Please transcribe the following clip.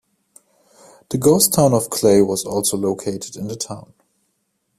The ghost town of Clay was also located in the town.